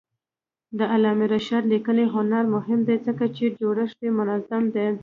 د علامه رشاد لیکنی هنر مهم دی ځکه چې جوړښت یې منظم دی.